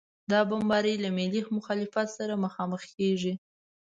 دا بمبارۍ له ملي مخالفت سره مخامخ کېږي.